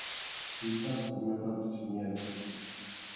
Pitapas imatapas chʼinyachiy.